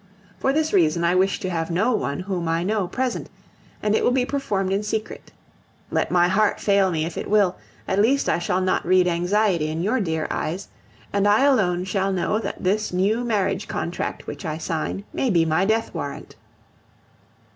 For this reason I wish to have no one whom I know present, and it will be performed in secret. Let my heart fail me if it will, at least I shall not read anxiety in your dear eyes, and I alone shall know that this new marriage contract which I sign may be my death warrant.